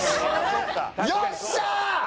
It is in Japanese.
よっしゃー！